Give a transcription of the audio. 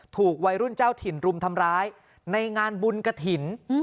ถูกวัยรุ่นเจ้าถิ่นรุมทำร้ายในงานบุญกระถิ่น